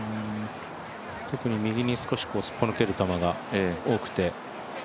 特に右に少しすっぽ抜ける球が多くて。